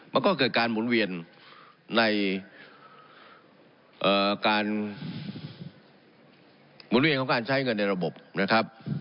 มันก็เกิดการหมุนเวียนในการหมุนเวียนของการใช้เงินในระบบนะครับ